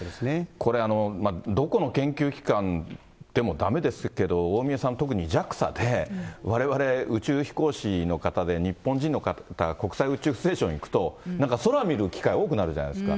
これ、どこの研究機関でもだめですけど、大宮さん、特にＪＡＸＡで、われわれ、宇宙飛行士の方で日本人の方が国際宇宙ステーションに行くと、なんか、空見る機会多くなるじゃないですか。